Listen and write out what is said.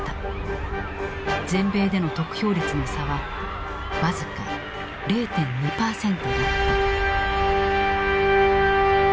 全米での得票率の差は僅か０．２％だった。